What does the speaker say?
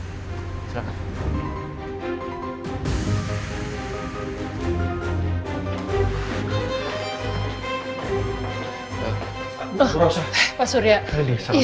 assalamualaikum warahmatullahi wabarakatuh